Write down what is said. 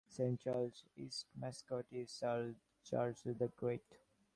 Saint Charles East's mascot is Sir Charles the Great.